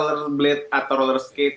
langsung aja dikit